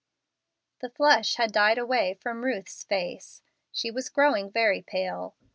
27. The flush had died away from Kuth's face; she was growing very pale.